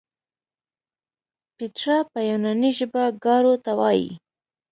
پیترا په یوناني ژبه ګارو ته وایي.